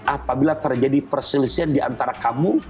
apabila terjadi perselisihan diantara kamu